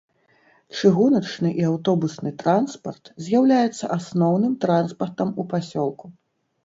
Чыгуначны і аўтобусны транспарт з'яўляецца асноўным транспартам у пасёлку.